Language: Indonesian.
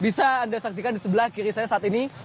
bisa anda saksikan di sebelah kiri saya saat ini